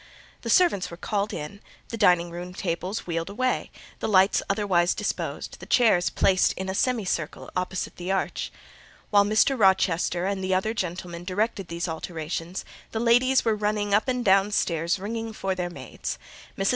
The servants were called in, the dining room tables wheeled away, the lights otherwise disposed, the chairs placed in a semicircle opposite the arch. While Mr. Rochester and the other gentlemen directed these alterations, the ladies were running up and down stairs ringing for their maids. Mrs.